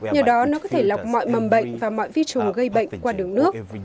nhờ đó nó có thể lọc mọi mầm bệnh và mọi vi trùng gây bệnh qua đường nước